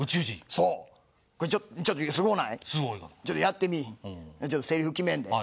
ちょっとやってみいひん？